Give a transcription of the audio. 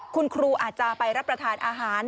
คุณครูอาจจะไปรับประทานอาหาร